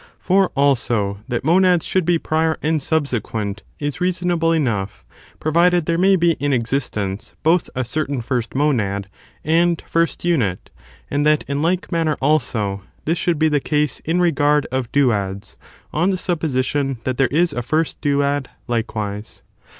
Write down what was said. For also that monads should be prior and subsequent is BB 370 THB MKTAFHTSICS OF ABIBTOTUL [bOOK XSL reasonable enough, provided there may be in existence both a certain first monad and first unit ; and that in like manner, also, this should be the case in r^ard of duada^ on the supposition that there is a first duad likewise.